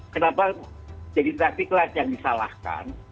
kenapa jadi traffic light yang disalahkan